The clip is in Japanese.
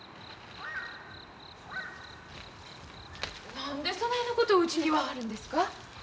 何でそないなことうちに言わはるんですか？